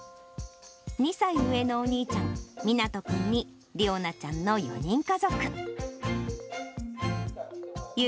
２歳上のお兄ちゃん、みなと君に、理央奈ちゃんの４人家族。